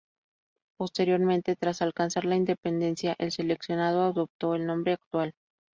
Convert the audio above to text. Posteriormente, tras alcanzar la independencia, el seleccionado adoptó el nombre actual.